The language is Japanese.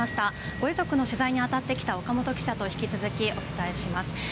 ご遺族の取材にあたってきた岡本記者と引き続きお伝えします。